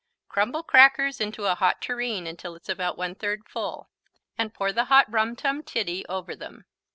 Crumble crackers into a hot tureen until it's about 1/3 full and pour the hot Rum Tum Tiddy over them.